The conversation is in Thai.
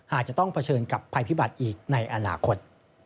อาจจะต้องเผชิญกับภัยพิบัติอีกในอนาคต